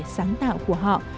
sáng tạo của họ